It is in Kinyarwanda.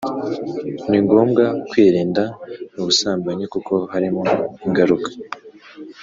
Ni ngomwa kwirinda ubusambanyi kuko harimo ingaruka